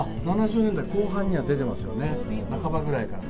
７０年代後半には出ますよね、半ばくらいに。